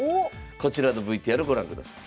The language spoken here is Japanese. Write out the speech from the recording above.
こちらのＶＴＲご覧ください。